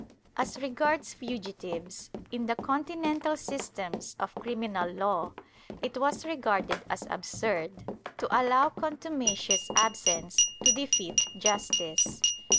As regards fugitives, in the Continental systems of criminal law it was regarded as absurd to allow contumacious absence to defeat justice.